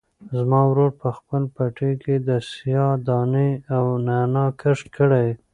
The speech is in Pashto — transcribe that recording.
زما ورور په خپل پټي کې د سیاه دانې او نعناع کښت کړی.